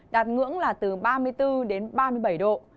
đạt ngưỡng là từ ba mươi bốn đến ba mươi bảy độ